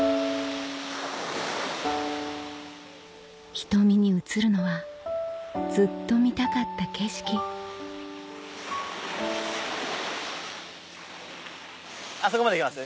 瞳に映るのはずっと見たかった景色あそこまで行きます？